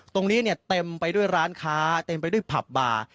ตรงนี้เนี่ยเต็มไปด้วยร้านค้าเต็มไปด้วยผับบาร์